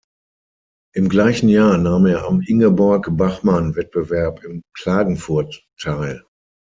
Im gleichen Jahr nahm er am Ingeborg-Bachmann-Wettbewerb in Klagenfurt teil.